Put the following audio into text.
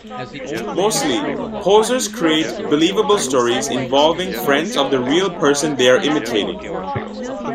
Mostly, posers create believable stories involving friends of the real person they are imitating.